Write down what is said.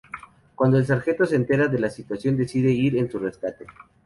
Cuando el sargento se entera de la situación, decide ir en su rescate.